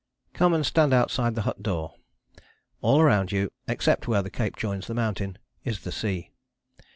Come and stand outside the hut door. All round you, except where the cape joins the mountain, is the sea.